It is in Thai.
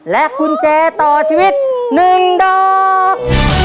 กุญแจต่อชีวิต๑ดอก